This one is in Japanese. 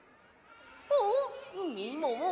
おっみもも！